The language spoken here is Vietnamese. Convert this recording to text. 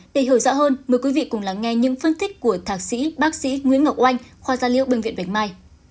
để hiểu rõ hơn mời quý vị cùng lắng nghe những phân thích của thạc sĩ bác sĩ nguyễn ngọc oanh khoa gia liệu bệnh viện bạch mai